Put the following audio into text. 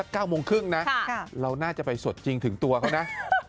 เก้าโมงครึ่งนะเราน่าจะไปสดจริงถึงตัวเขานะ